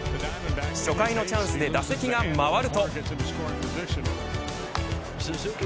初回のチャンスで打席が回ると。